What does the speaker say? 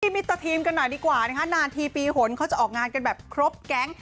มิเตอร์ทีมกันหน่อยดีกว่านะคะนานทีปีหนเขาจะออกงานกันแบบครบแก๊ง